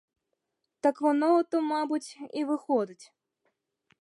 Так воно ото, мабуть, і виходить.